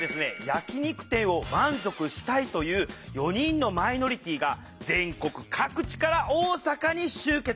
焼き肉店を満足したいという４人のマイノリティーが全国各地から大阪に集結。